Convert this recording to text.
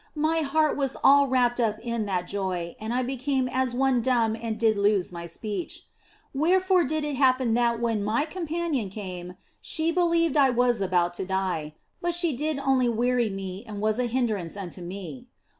My heart was all wrapped up in that joy and I became as one dumb and did lose my speech. Wherefore did it happen that when my companion came she believed that I was about to die ; but she did only weary me and was an hindrance unto me.